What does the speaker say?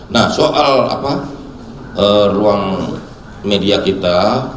nah soal ruang media kita